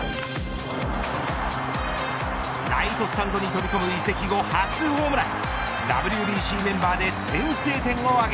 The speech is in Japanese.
ライトスタンドに飛び込む移籍後初ホームラン。